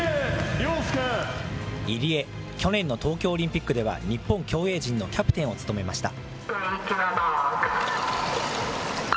入江、去年の東京オリンピックでは、日本競泳陣のキャプテンを務めました。